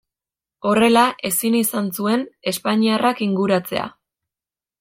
Horrela, ezin izan zuen espainiarrak inguratzea.